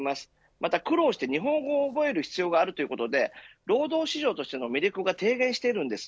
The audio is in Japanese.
また苦労して日本語を覚える必要があるということで労働市場としての魅力が低減しています。